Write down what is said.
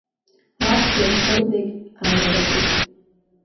Абџьар хылҩагь ааилаҟәит…